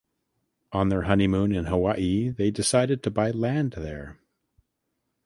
On their honeymoon in Hawaii they decided to buy land there.